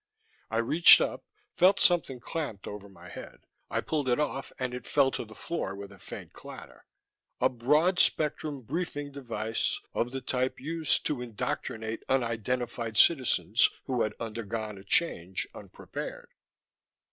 _ _I reached up, felt something clamped over my head. I pulled it off and it fell to the floor with a faint clatter: a broad spectrum briefing device, of the type used to indoctrinate unidentified citizens who had undergone a Change unprepared....